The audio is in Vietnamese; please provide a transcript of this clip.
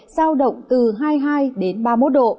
sao động từ hai mươi hai ba mươi một độ